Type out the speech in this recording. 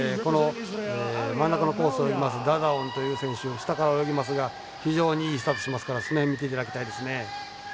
真ん中のコースを泳ぎますダダオンという選手下から泳ぎますが非常にいいスタートしますからその辺、見ていただきたいですね。